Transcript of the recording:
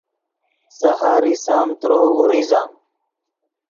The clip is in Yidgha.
سحر ایسَمۡ ترؤ اوریزم